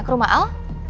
ke rumah al